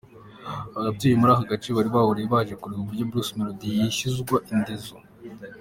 Abatuye muri aka gace bari bahuruye baje kureba uburyo Bruce Melody yishyuzwa indezo.